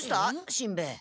しんべヱ。